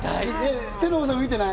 天の声さんも見てない？